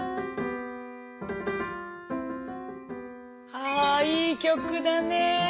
あいい曲だね。